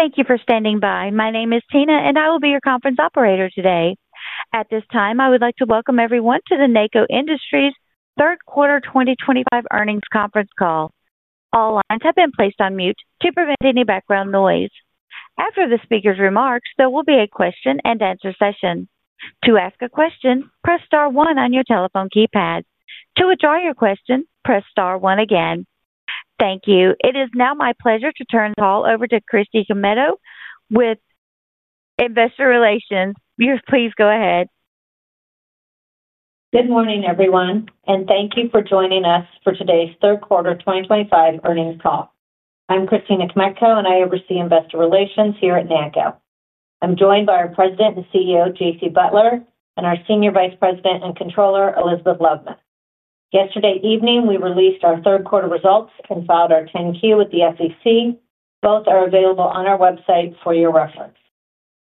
Thank you for standing by. My name is Tina, and I will be your conference operator today. At this time, I would like to welcome everyone to the NACCO Industries third quarter 2025 earnings conference call. All lines have been placed on mute to prevent any background noise. After the speaker's remarks, there will be a question and answer session. To ask a question, press star one on your telephone keypad. To withdraw your question, press star one again. Thank you. It is now my pleasure to turn the call over to Christina Kmetko with Investor Relations. Please go ahead. Good morning, everyone, and thank you for joining us for today's third quarter 2025 earnings call. I'm Christina Kmetko, and I oversee investor relations here at NACCO. I'm joined by our President and CEO, J.C. Butler, and our Senior Vice President and Controller, Elizabeth Loveman. Yesterday evening, we released our third quarter results and filed our 10-Q with the SEC. Both are available on our website for your reference.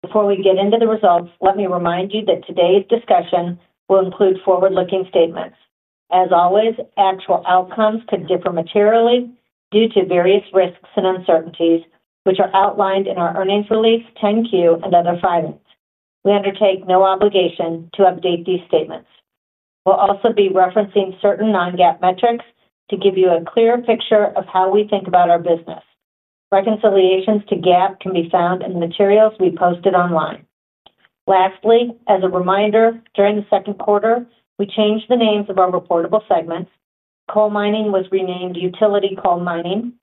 Before we get into the results, let me remind you that today's discussion will include forward-looking statements. As always, actual outcomes could differ materially due to various risks and uncertainties, which are outlined in our earnings release, 10-Q, and other filings. We undertake no obligation to update these statements. We'll also be referencing certain non-GAAP metrics to give you a clearer picture of how we think about our business. Reconciliations to GAAP can be found in the materials we posted online. Lastly, as a reminder, during the second quarter, we changed the names of our reportable segments. Coal mining was renamed Utility Coal Mining.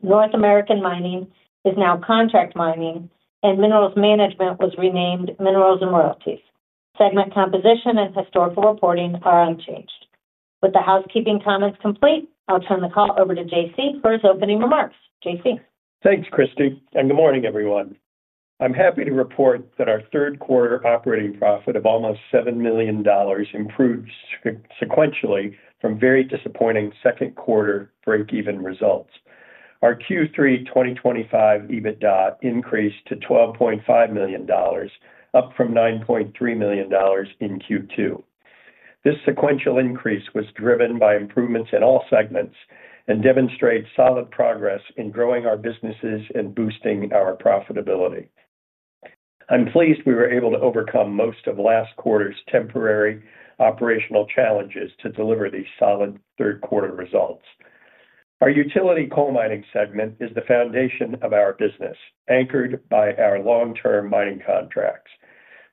North American Mining is now Contract Mining, and Minerals Management was renamed Minerals and Royalties. Segment composition and historical reporting are unchanged. With the housekeeping comments complete, I'll turn the call over to J.C. for his opening remarks. J.C. Thanks, Christy, and good morning, everyone. I'm happy to report that our third quarter operating profit of almost $7 million improved sequentially from very disappointing second quarter break-even results. Our Q3 2025 EBITDA increased to $12.5 million, up from $9.3 million in Q2. This sequential increase was driven by improvements in all segments and demonstrates solid progress in growing our businesses and boosting our profitability. I'm pleased we were able to overcome most of last quarter's temporary operational challenges to deliver these solid third quarter results. Our utility coal mining segment is the foundation of our business, anchored by our long-term mining contracts.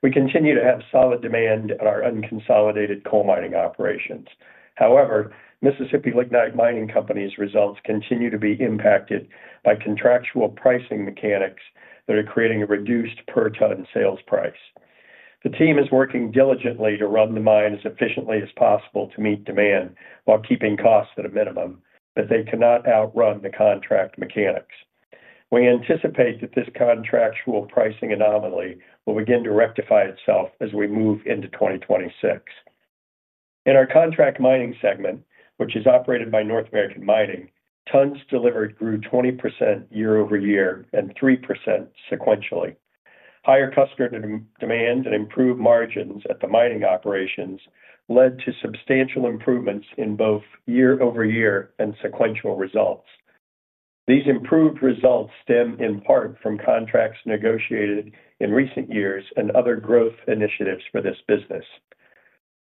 We continue to have solid demand on our unconsolidated coal mining operations. However, Mississippi Lignite Mining Company's results continue to be impacted by contractual pricing mechanics that are creating a reduced per ton sales price. The team is working diligently to run the mines as efficiently as possible to meet demand while keeping costs at a minimum, but they cannot outrun the contract mechanics. We anticipate that this contractual pricing anomaly will begin to rectify itself as we move into 2026. In our contract mining segment, which is operated by North American Mining, tons delivered grew 20% year over year and 3% sequentially. Higher customer demand and improved margins at the mining operations led to substantial improvements in both year over year and sequential results. These improved results stem in part from contracts negotiated in recent years and other growth initiatives for this business.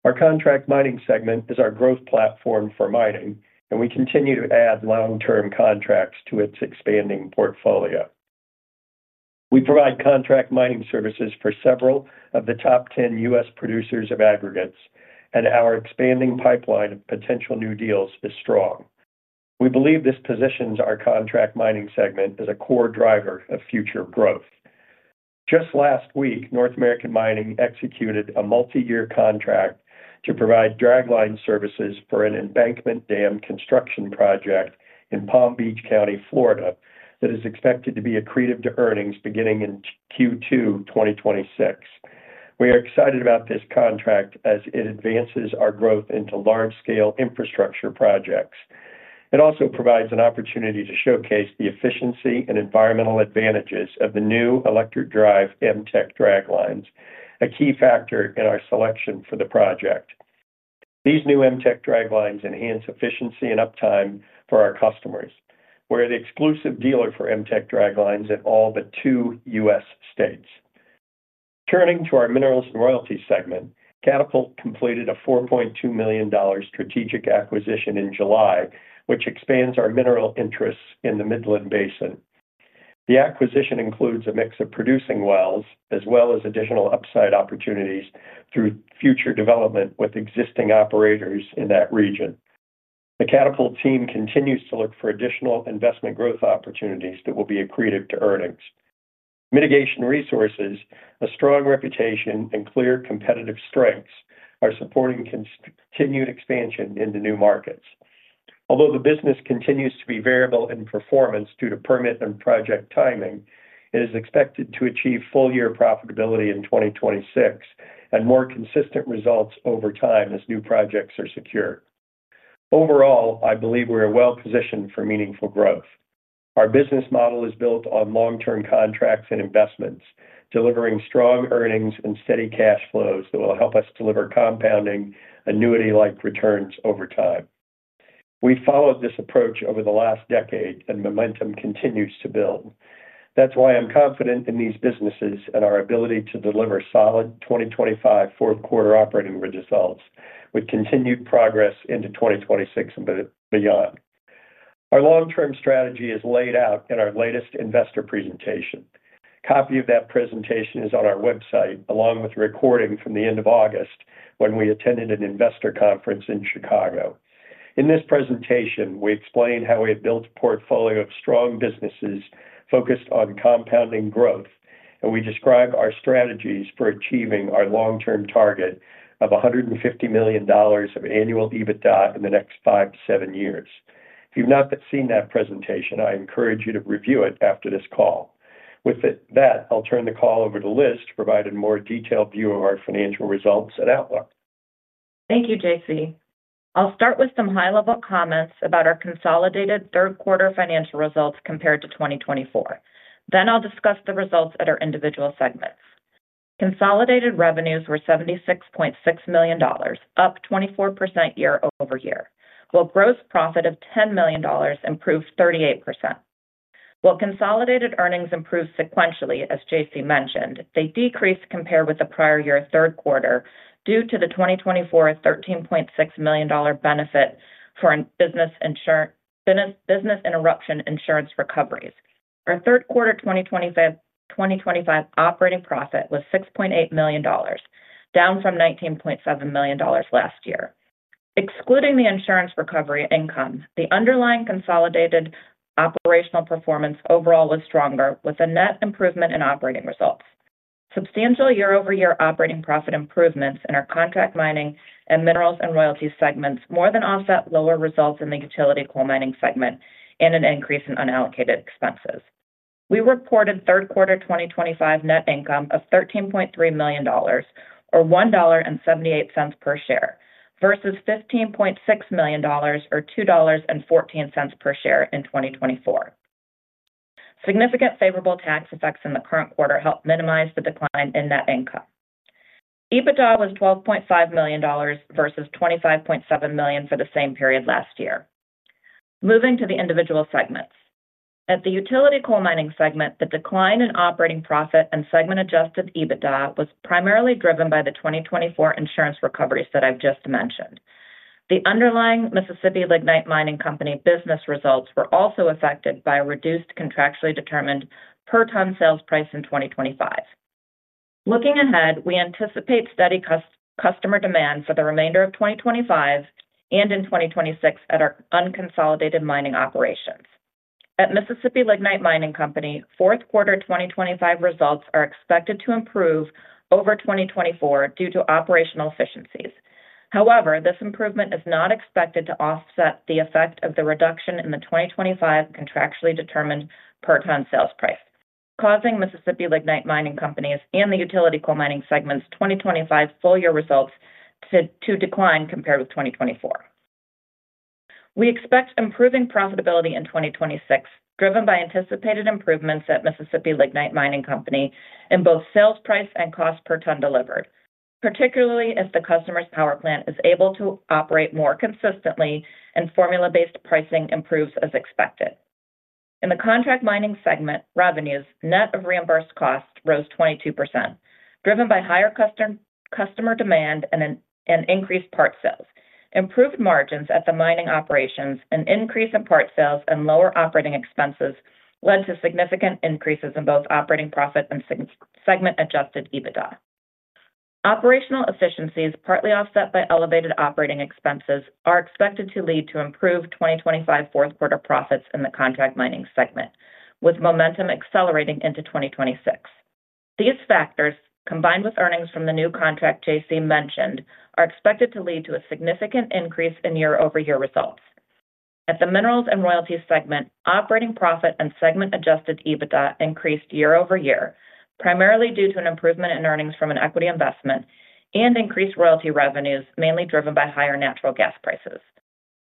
Our contract mining segment is our growth platform for mining, and we continue to add long-term contracts to its expanding portfolio. We provide contract mining services for several of the top 10 U.S. producers of aggregates, and our expanding pipeline of potential new deals is strong. We believe this positions our contract mining segment as a core driver of future growth. Just last week, North American Mining executed a multi-year contract to provide drag line services for an embankment dam construction project in Palm Beach County, Florida, that is expected to be accretive to earnings beginning in Q2 2026. We are excited about this contract as it advances our growth into large-scale infrastructure projects. It also provides an opportunity to showcase the efficiency and environmental advantages of the new electric drive MTEC drag lines, a key factor in our selection for the project. These new MTEC drag lines enhance efficiency and uptime for our customers. We're the exclusive dealer for MTEC drag lines in all but two U.S. states. Turning to our minerals and royalties segment, Catapult completed a $4.2 million strategic acquisition in July, which expands our mineral interests in the Midland Basin. The acquisition includes a mix of producing wells as well as additional upside opportunities through future development with existing operators in that region. The Catapult team continues to look for additional investment growth opportunities that will be accretive to earnings. Mitigation Resources, a strong reputation, and clear competitive strengths are supporting continued expansion into new markets. Although the business continues to be variable in performance due to permit and project timing, it is expected to achieve full-year profitability in 2026 and more consistent results over time as new projects are secured. Overall, I believe we're well positioned for meaningful growth. Our business model is built on long-term contracts and investments, delivering strong earnings and steady cash flows that will help us deliver compounding annuity-like returns over time. We've followed this approach over the last decade, and momentum continues to build. That's why I'm confident in these businesses and our ability to deliver solid 2025 fourth quarter operating results with continued progress into 2026 and beyond. Our long-term strategy is laid out in our latest investor presentation. A copy of that presentation is on our website, along with a recording from the end of August when we attended an investor conference in Chicago. In this presentation, we explain how we have built a portfolio of strong businesses focused on compounding growth, and we describe our strategies for achieving our long-term target of $150 million of annual EBITDA in the next five to seven years. If you've not seen that presentation, I encourage you to review it after this call. With that, I'll turn the call over to Liz to provide a more detailed view of our financial results and outlook. Thank you, J.C. I'll start with some high-level comments about our consolidated third quarter financial results compared to 2024. Then I'll discuss the results at our individual segments. Consolidated revenues were $76.6 million, up 24% year over year, while gross profit of $10 million improved 38%. While consolidated earnings improved sequentially, as J.C. mentioned, they decreased compared with the prior year third quarter due to the 2024 $13.6 million benefit for business interruption insurance recoveries. Our third quarter 2025 operating profit was $6.8 million, down from $19.7 million last year. Excluding the insurance recovery income, the underlying consolidated operational performance overall was stronger, with a net improvement in operating results. Substantial year-over-year operating profit improvements in our contract mining and minerals and royalties segments more than offset lower results in the utility coal mining segment and an increase in unallocated expenses. We reported third quarter 2025 net income of $13.3 million, or $1.78 per share, versus $15.6 million, or $2.14 per share in 2024. Significant favorable tax effects in the current quarter helped minimize the decline in net income. EBITDA was $12.5 million versus $25.7 million for the same period last year. Moving to the individual segments. At the utility coal mining segment, the decline in operating profit and segment-adjusted EBITDA was primarily driven by the 2024 insurance recoveries that I've just mentioned. The underlying Mississippi Lignite Mining Company business results were also affected by a reduced contractually determined per ton sales price in 2025. Looking ahead, we anticipate steady customer demand for the remainder of 2025 and in 2026 at our unconsolidated mining operations. At Mississippi Lignite Mining Company, fourth quarter 2025 results are expected to improve over 2024 due to operational efficiencies. However, this improvement is not expected to offset the effect of the reduction in the 2025 contractually determined per ton sales price, causing Mississippi Lignite Mining Company's and the utility coal mining segment's 2025 full-year results to decline compared with 2024. We expect improving profitability in 2026, driven by anticipated improvements at Mississippi Lignite Mining Company in both sales price and cost per ton delivered, particularly if the customer's power plant is able to operate more consistently and formula-based pricing improves as expected. In the contract mining segment, revenues net of reimbursed costs rose 22%, driven by higher customer demand and increased part sales. Improved margins at the mining operations, an increase in part sales, and lower operating expenses led to significant increases in both operating profit and segment-adjusted EBITDA. Operational efficiencies, partly offset by elevated operating expenses, are expected to lead to improved 2025 fourth quarter profits in the contract mining segment, with momentum accelerating into 2026. These factors, combined with earnings from the new contract J.C. mentioned, are expected to lead to a significant increase in year-over-year results. At the minerals and royalties segment, operating profit and segment-adjusted EBITDA increased year-over-year, primarily due to an improvement in earnings from an equity investment and increased royalty revenues, mainly driven by higher natural gas prices.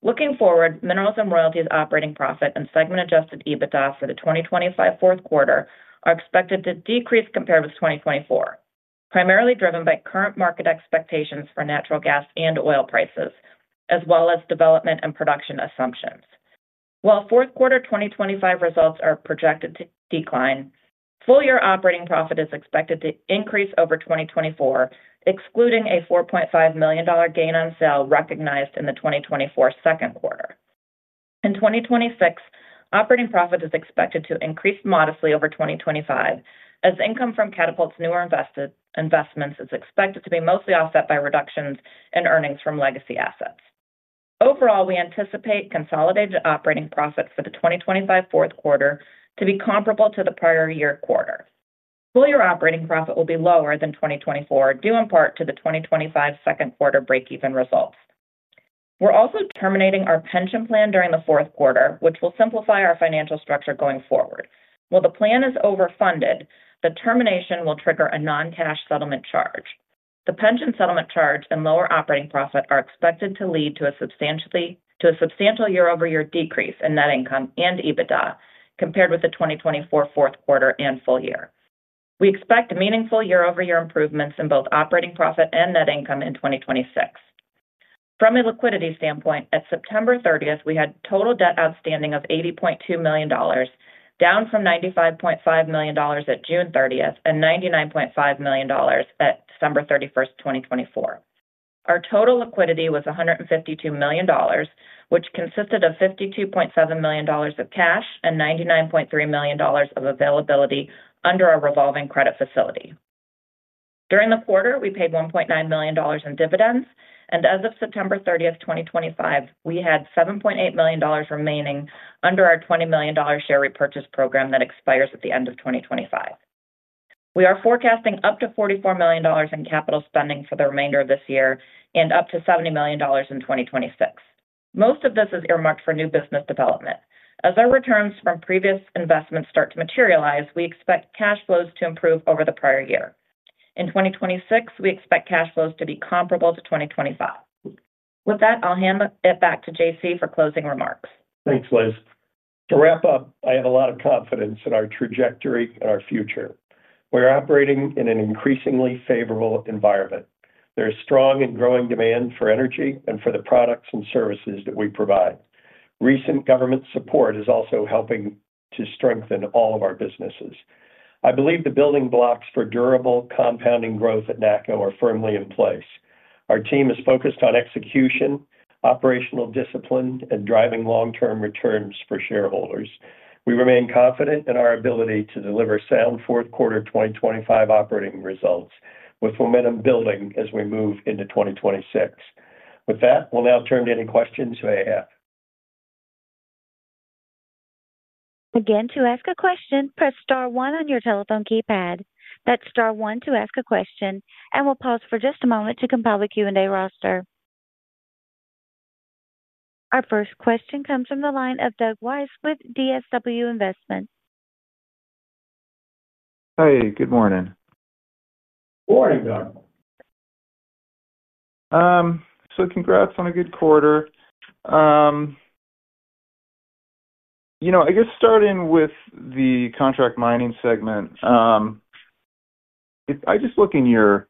Looking forward, minerals and royalties operating profit and segment-adjusted EBITDA for the 2025 fourth quarter are expected to decrease compared with 2024, primarily driven by current market expectations for natural gas and oil prices, as well as development and production assumptions. While fourth quarter 2025 results are projected to decline, full-year operating profit is expected to increase over 2024, excluding a $4.5 million gain on sale recognized in the 2024 second quarter. In 2026, operating profit is expected to increase modestly over 2025, as income from Catapult's newer investments is expected to be mostly offset by reductions in earnings from legacy assets. Overall, we anticipate consolidated operating profit for the 2025 fourth quarter to be comparable to the prior year quarter. Full-year operating profit will be lower than 2024, due in part to the 2025 second quarter break-even results. We're also terminating our pension plan during the fourth quarter, which will simplify our financial structure going forward. While the plan is overfunded, the termination will trigger a non-cash settlement charge. The pension settlement charge and lower operating profit are expected to lead to a substantial year-over-year decrease in net income and EBITDA compared with the 2024 fourth quarter and full year. We expect meaningful year-over-year improvements in both operating profit and net income in 2026. From a liquidity standpoint, at September 30, we had total debt outstanding of $80.2 million, down from $95.5 million at June 30 and $99.5 million at December 31, 2024. Our total liquidity was $152 million, which consisted of $52.7 million of cash and $99.3 million of availability under our revolving credit facility. During the quarter, we paid $1.9 million in dividends, and as of September 30, 2025, we had $7.8 million remaining under our $20 million share repurchase program that expires at the end of 2025. We are forecasting up to $44 million in capital spending for the remainder of this year and up to $70 million in 2026. Most of this is earmarked for new business development. As our returns from previous investments start to materialize, we expect cash flows to improve over the prior year. In 2026, we expect cash flows to be comparable to 2025. With that, I'll hand it back to J.C. for closing remarks. Thanks, Liz. To wrap up, I have a lot of confidence in our trajectory and our future. We're operating in an increasingly favorable environment. There is strong and growing demand for energy and for the products and services that we provide. Recent government support is also helping to strengthen all of our businesses. I believe the building blocks for durable compounding growth at NACCO are firmly in place. Our team is focused on execution, operational discipline, and driving long-term returns for shareholders. We remain confident in our ability to deliver sound fourth quarter 2025 operating results, with momentum building as we move into 2026. With that, we'll now turn to any questions you may have. Again, to ask a question, press Star 1 on your telephone keypad. That's Star 1 to ask a question, and we'll pause for just a moment to compile the Q&A roster. Our first question comes from the line of Doug Weiss with DSW Investment. Hey, good morning. Good morning, Doug. Congrats on a good quarter. You know, I guess starting with the contract mining segment. I just look in your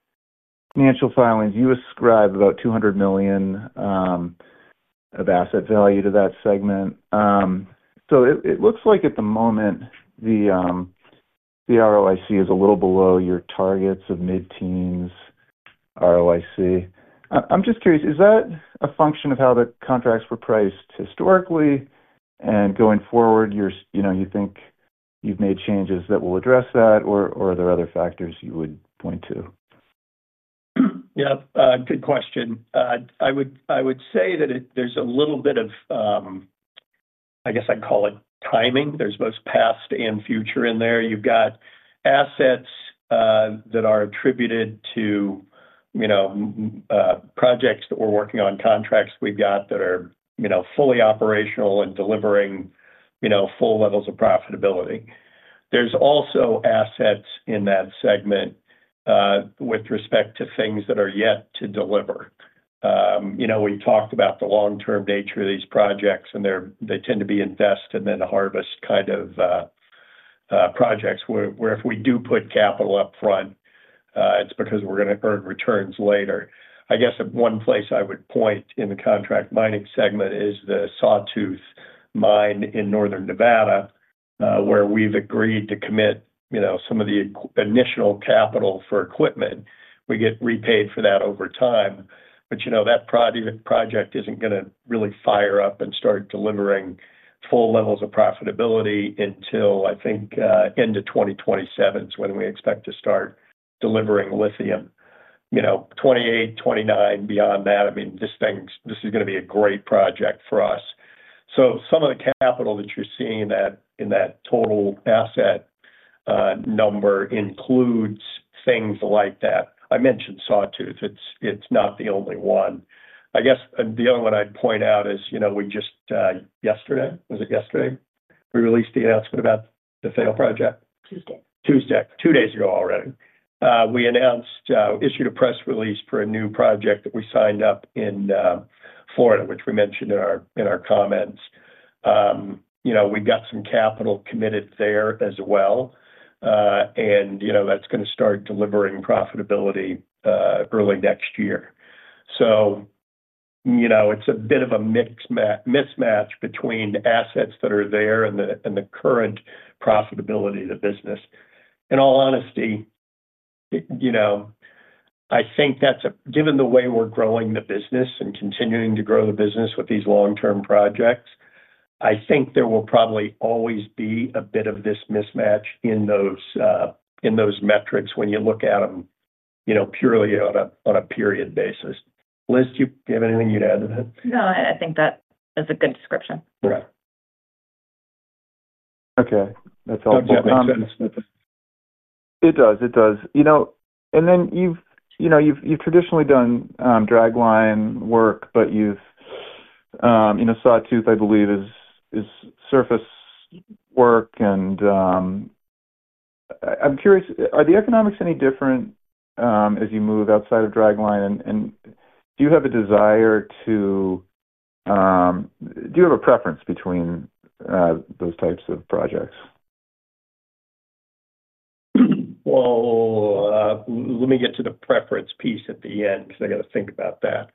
financial filings, you ascribe about $200 million of asset value to that segment. It looks like at the moment, the ROIC is a little below your targets of mid-teens ROIC. I'm just curious, is that a function of how the contracts were priced historically? Going forward, do you think you've made changes that will address that, or are there other factors you would point to? Yeah, good question. I would say that there's a little bit of, I guess I'd call it, timing. There's both past and future in there. You've got assets that are attributed to projects that we're working on, contracts we've got that are fully operational and delivering full levels of profitability. There's also assets in that segment with respect to things that are yet to deliver. We talked about the long-term nature of these projects, and they tend to be invest and then harvest kind of projects where if we do put capital upfront, it's because we're going to earn returns later. I guess one place I would point in the contract mining segment is the Sawtooth Mine in northern Nevada, where we've agreed to commit some of the initial capital for equipment. We get repaid for that over time. That project is not going to really fire up and start delivering full levels of profitability until, I think, end of 2027 is when we expect to start delivering lithium. 2028, 2029, beyond that, I mean, this is going to be a great project for us. Some of the capital that you are seeing in that total asset number includes things like that. I mentioned Sawtooth. It is not the only one. I guess the other one I would point out is we just yesterday, was it yesterday, we released the announcement about the failed project? Tuesday. Tuesday, two days ago already. We announced, issued a press release for a new project that we signed up in Florida, which we mentioned in our comments. We got some capital committed there as well. That's going to start delivering profitability early next year. It's a bit of a mismatch between assets that are there and the current profitability of the business. In all honesty, I think that's given the way we're growing the business and continuing to grow the business with these long-term projects, I think there will probably always be a bit of this mismatch in those metrics when you look at them purely on a period basis. Liz, do you have anything you'd add to that? No, I think that is a good description. Okay. That's all. It does. It does. And then you've traditionally done drag line work, but you've—Sawtooth, I believe, is surface work. I'm curious, are the economics any different as you move outside of drag line? Do you have a desire to—do you have a preference between those types of projects? Let me get to the preference piece at the end because I got to think about that.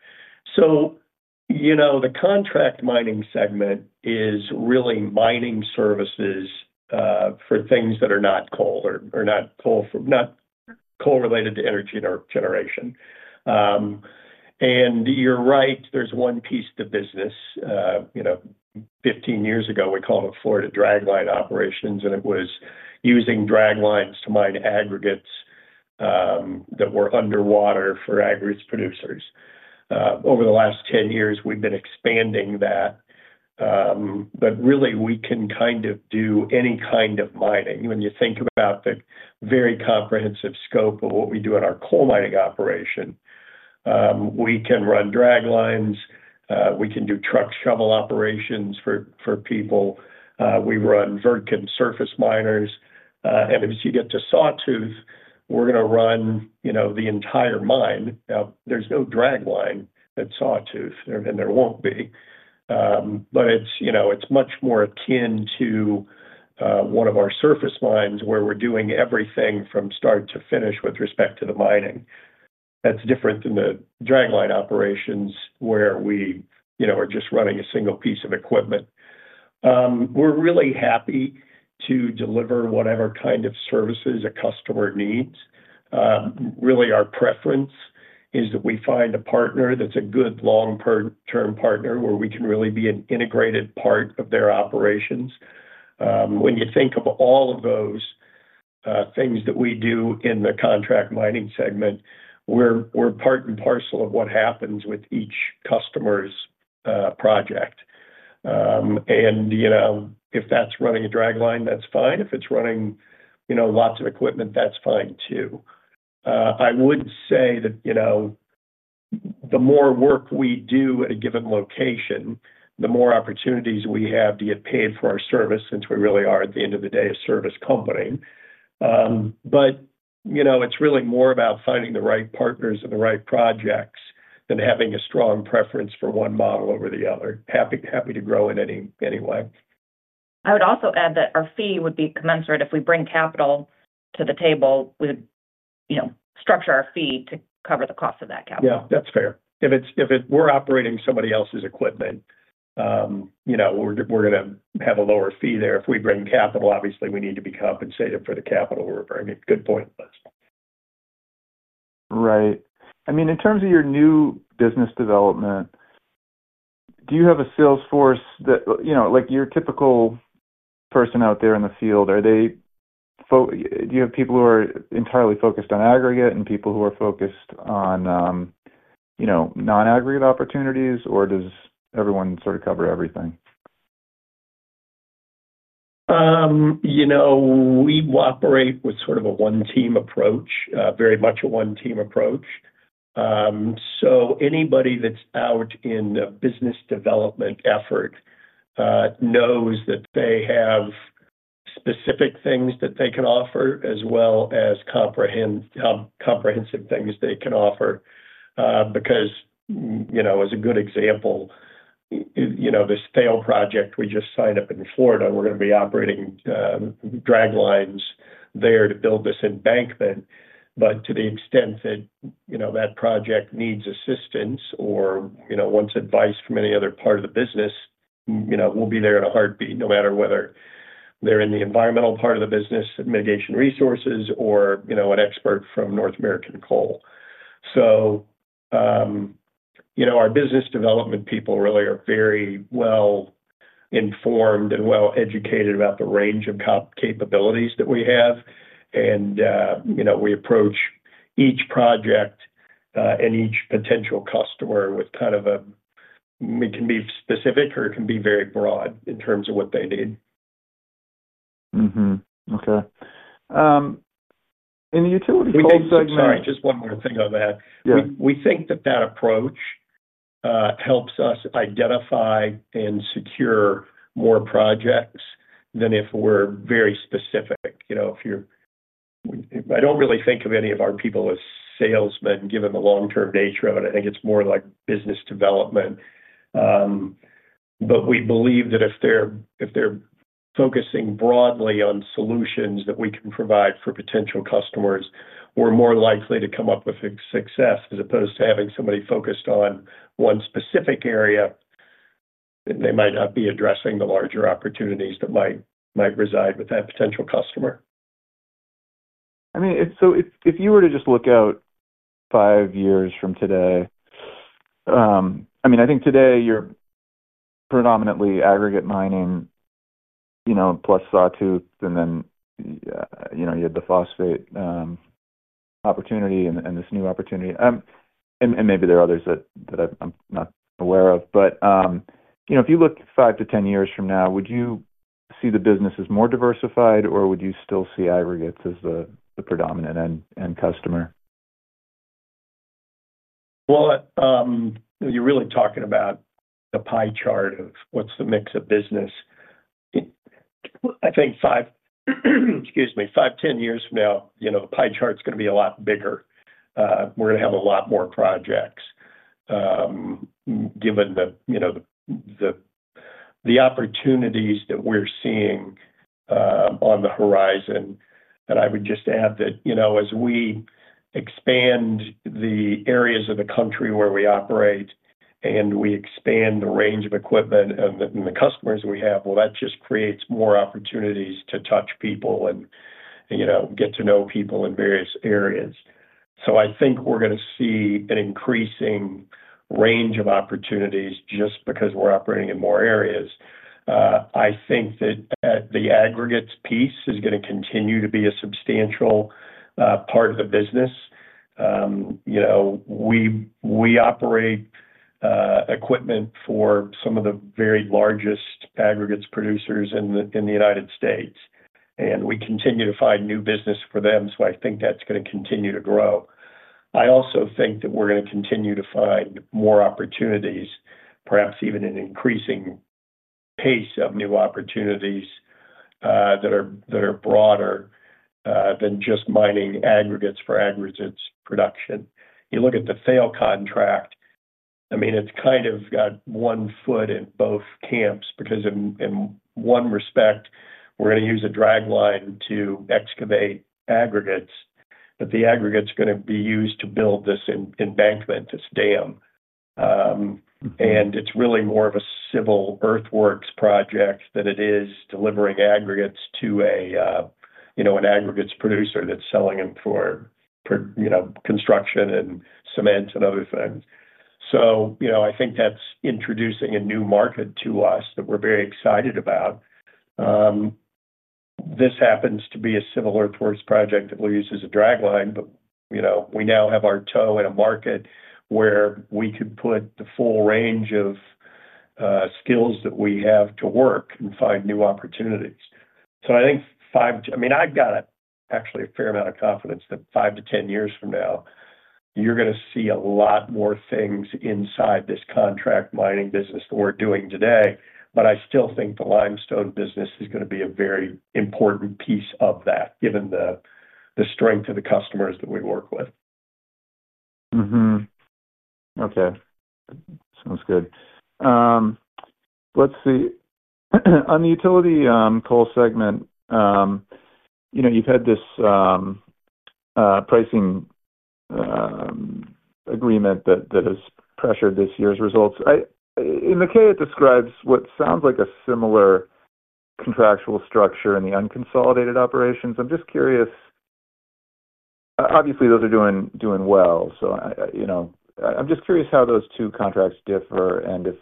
The contract mining segment is really mining services for things that are not coal or not coal-related to energy generation. You're right, there's one piece to business. Fifteen years ago, we called it Florida Drag Line Operations, and it was using drag lines to mine aggregates that were underwater for aggregate producers. Over the last 10 years, we've been expanding that. Really, we can kind of do any kind of mining. When you think about the very comprehensive scope of what we do at our coal mining operation, we can run drag lines. We can do truck shovel operations for people. We run Wirtgen surface miners. As you get to Sawtooth, we're going to run the entire mine. Now, there's no drag line at Sawtooth, and there won't be. It is much more akin to one of our surface mines where we're doing everything from start to finish with respect to the mining. That is different than the drag line operations where we are just running a single piece of equipment. We're really happy to deliver whatever kind of services a customer needs. Really, our preference is that we find a partner that's a good long-term partner where we can really be an integrated part of their operations. When you think of all of those things that we do in the contract mining segment, we're part and parcel of what happens with each customer's project. If that's running a drag line, that's fine. If it's running lots of equipment, that's fine too. I would say that. The more work we do at a given location, the more opportunities we have to get paid for our service since we really are, at the end of the day, a service company. It is really more about finding the right partners and the right projects than having a strong preference for one model over the other. Happy to grow in any way. I would also add that our fee would be commensurate. If we bring capital to the table, we would structure our fee to cover the cost of that capital. Yeah, that's fair. If we're operating somebody else's equipment, we're going to have a lower fee there. If we bring capital, obviously, we need to be compensated for the capital we're bringing. Good point, Liz. Right. I mean, in terms of your new business development. Do you have a salesforce that your typical person out there in the field, are they. Do you have people who are entirely focused on aggregate and people who are focused on non-aggregate opportunities, or does everyone sort of cover everything? We operate with sort of a one-team approach, very much a one-team approach. So anybody that's out in a business development effort knows that they have specific things that they can offer as well as comprehensive things they can offer. Because, as a good example, this field project we just signed up in Florida, we're going to be operating drag lines there to build this embankment. To the extent that that project needs assistance or wants advice from any other part of the business, we'll be there in a heartbeat no matter whether they're in the environmental part of the business, Mitigation Resources of North America, or an expert from North American Coal. Our business development people really are very well informed and well educated about the range of capabilities that we have. We approach each project and each potential customer with kind of a. It can be specific or it can be very broad in terms of what they need. Okay. In the utility coal segment. Sorry, just one more thing on that. We think that that approach helps us identify and secure more projects than if we're very specific. I don't really think of any of our people as salesmen given the long-term nature of it. I think it's more like business development. We believe that if they're focusing broadly on solutions that we can provide for potential customers, we're more likely to come up with success as opposed to having somebody focused on one specific area. They might not be addressing the larger opportunities that might reside with that potential customer. I mean, so if you were to just look out five years from today. I mean, I think today you're predominantly aggregate mining, plus Sawtooth, and then you had the phosphate opportunity and this new opportunity, and maybe there are others that I'm not aware of. But if you look 5 to 10 years from now, would you see the business as more diversified, or would you still see aggregates as the predominant end customer? You're really talking about the pie chart of what's the mix of business. I think, 5, 10 years from now, the pie chart's going to be a lot bigger. We're going to have a lot more projects. Given the opportunities that we're seeing on the horizon. I would just add that as we expand the areas of the country where we operate and we expand the range of equipment and the customers we have, that just creates more opportunities to touch people and get to know people in various areas. I think we're going to see an increasing range of opportunities just because we're operating in more areas. I think that the aggregates piece is going to continue to be a substantial part of the business. We operate equipment for some of the very largest aggregates producers in the United States. We continue to find new business for them. I think that's going to continue to grow. I also think that we're going to continue to find more opportunities, perhaps even an increasing pace of new opportunities that are broader than just mining aggregates for aggregates production. You look at the fail contract. I mean, it's kind of got one foot in both camps because in one respect, we're going to use a drag line to excavate aggregates, but the aggregates are going to be used to build this embankment, this dam. It's really more of a civil earthworks project than it is delivering aggregates to an aggregates producer that's selling them for construction and cement and other things. I think that's introducing a new market to us that we're very excited about. This happens to be a civil earthworks project that we'll use as a drag line, but we now have our toe in a market where we could put the full range of skills that we have to work and find new opportunities. I think, I mean, I've got actually a fair amount of confidence that 5-10 years from now, you're going to see a lot more things inside this contract mining business that we're doing today. I still think the limestone business is going to be a very important piece of that, given the strength of the customers that we work with. Okay. Sounds good. Let's see. On the utility coal segment. You've had this pricing agreement that has pressured this year's results. In the K, it describes what sounds like a similar contractual structure in the unconsolidated operations. I'm just curious. Obviously, those are doing well. I'm just curious how those two contracts differ and if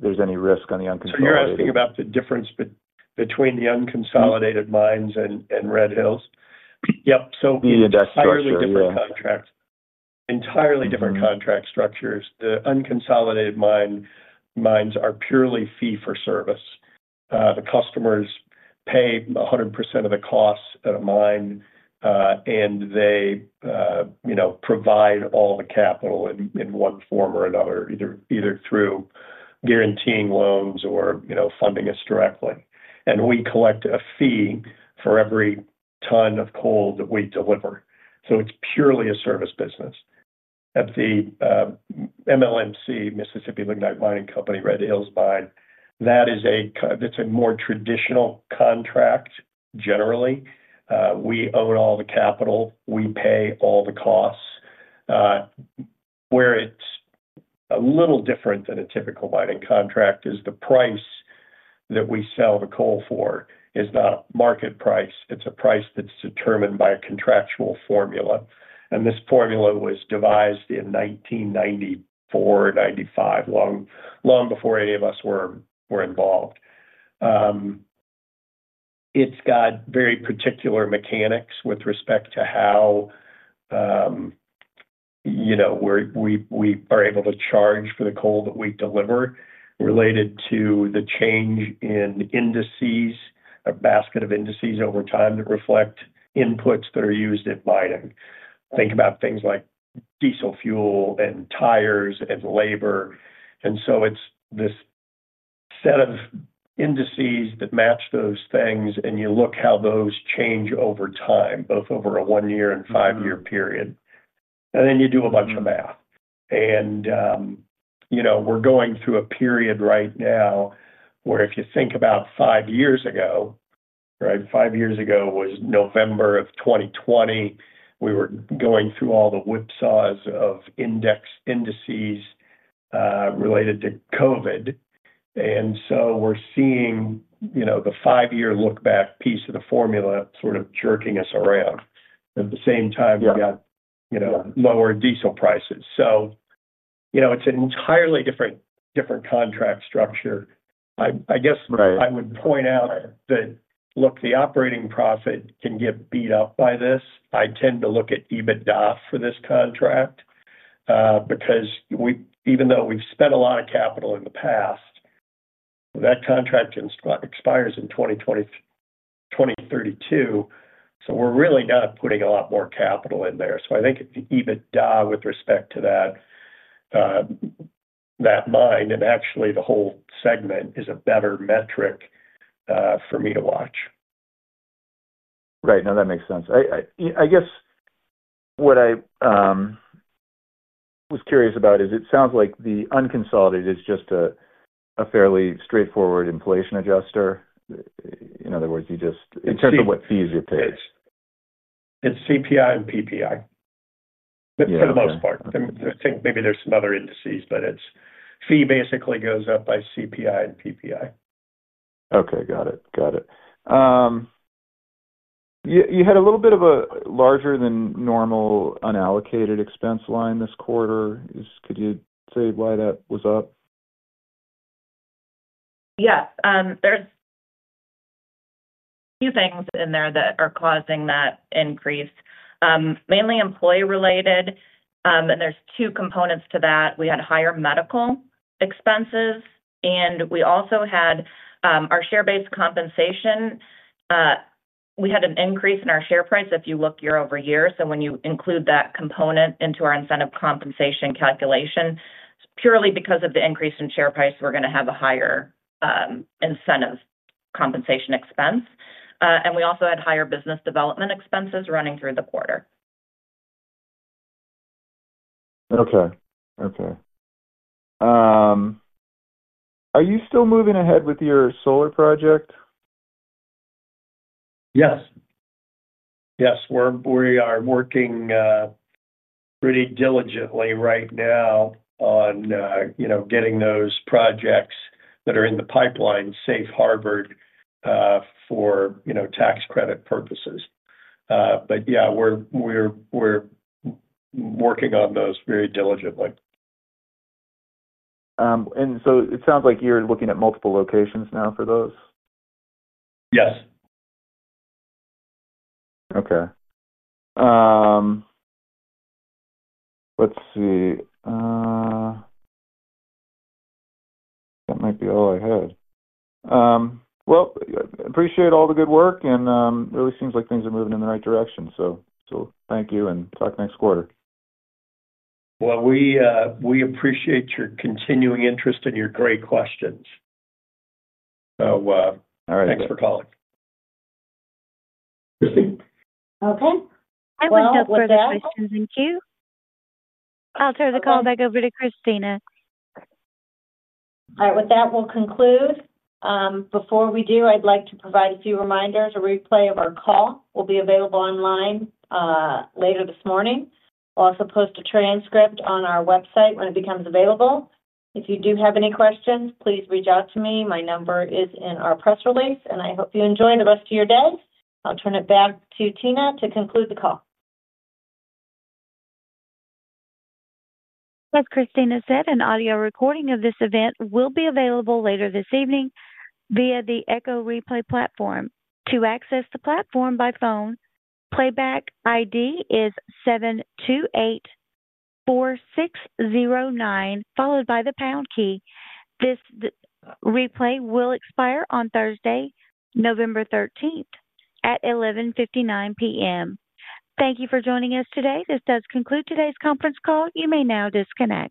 there's any risk on the unconsolidated. You're asking about the difference between the unconsolidated mines and Red Hills? Yep. The industry is different. Entirely different contracts. Entirely different contract structures. The unconsolidated mines are purely fee-for-service. The customers pay 100% of the cost at a mine. They provide all the capital in one form or another, either through guaranteeing loans or funding us directly. We collect a fee for every ton of coal that we deliver. It is purely a service business. At the MLMC, Mississippi Lignite Mining Company, Red Hills Mine, that is a more traditional contract, generally. We own all the capital. We pay all the costs. Where it is a little different than a typical mining contract is the price that we sell the coal for is not market price. It is a price that is determined by a contractual formula. This formula was devised in 1994, 1995, long before any of us were involved. It has very particular mechanics with respect to how. We are able to charge for the coal that we deliver related to the change in indices, a basket of indices over time that reflect inputs that are used at mining. Think about things like diesel fuel and tires and labor. It is this set of indices that match those things, and you look how those change over time, both over a one-year and five-year period. Then you do a bunch of math. We are going through a period right now where if you think about five years ago, right, five years ago was November of 2020, we were going through all the whipsaws of indices related to COVID. We are seeing the five-year look-back piece of the formula sort of jerking us around. At the same time, we have lower diesel prices. It is an entirely different contract structure. I guess I would point out that, look, the operating profit can get beat up by this. I tend to look at EBITDA for this contract. Because even though we've spent a lot of capital in the past. That contract expires in 2032. So we're really not putting a lot more capital in there. I think EBITDA with respect to that mine, and actually the whole segment, is a better metric for me to watch. Right. No, that makes sense. I guess what I was curious about is it sounds like the unconsolidated is just a fairly straightforward inflation adjuster. In other words, you just, in terms of what fees you're paid. It's CPI and PPI. For the most part, I think maybe there's some other indices, but fee basically goes up by CPI and PPI. Okay. Got it. Got it. You had a little bit of a larger-than-normal unallocated expense line this quarter. Could you say why that was up? Yes. There's a few things in there that are causing that increase, mainly employee-related. There's two components to that. We had higher medical expenses. We also had our share-based compensation. We had an increase in our share price if you look year-over-year. When you include that component into our incentive compensation calculation, purely because of the increase in share price, we're going to have a higher incentive compensation expense. We also had higher business development expenses running through the quarter. Okay. Okay. Are you still moving ahead with your solar project? Yes. Yes. We are working pretty diligently right now on getting those projects that are in the pipeline safe harbored for tax credit purposes. Yeah, we're working on those very diligently. It sounds like you're looking at multiple locations now for those? Yes. Okay. Let's see. That might be all I had. I appreciate all the good work. It really seems like things are moving in the right direction. Thank you and talk next quarter. We appreciate your continuing interest and your great questions. Thanks for calling. All right. Thanks for calling. Christine? Okay. I'll turn over that. I'll turn the call back over to Christina. All right. With that, we'll conclude. Before we do, I'd like to provide a few reminders. A replay of our call will be available online later this morning. We'll also post a transcript on our website when it becomes available. If you do have any questions, please reach out to me. My number is in our press release. I hope you enjoy the rest of your day. I'll turn it back to Tina to conclude the call. As Christina said, an audio recording of this event will be available later this evening via the Echo Replay platform. To access the platform by phone, playback ID is 728.4609, followed by the pound key. This replay will expire on Thursday, November 13th, at 11:59 P.M. Thank you for joining us today. This does conclude today's conference call. You may now disconnect.